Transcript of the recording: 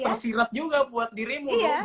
tersirat juga buat dirimu